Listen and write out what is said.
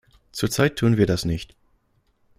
Zurzeit tun wir das nicht.